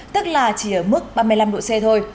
tức là chỉ ở mức ba mươi năm độ c thôi